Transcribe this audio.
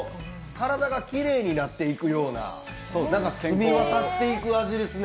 体がきれいになっていくような、澄み渡っていく味ですね。